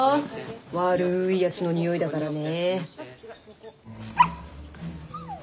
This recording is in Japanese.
悪いやつの匂いだからね。